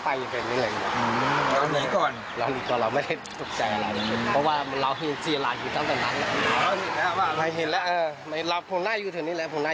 เพราะว่าฟูมันจะไปแถวนี้เราก็ไปอยู่แถวนี้แหละ